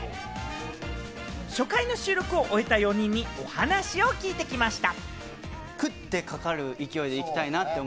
初回の収録を終えた４人にお話を聞いてきました。